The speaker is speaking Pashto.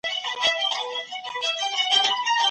تاسي په خپلو ټولو ملګرو کي ډېر نېک او ریښتیني یاست.